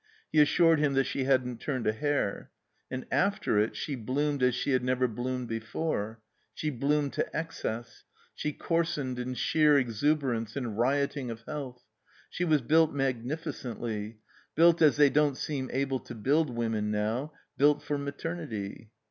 He assured him that she hadn't turned a hair. And after it she bloomed as she had never bloomed be fore; she bloomed to excess; she coarsened in sheer exuberance and rioting of health. She was built magnificently, built as they don't seem able to build women now, built for maternity.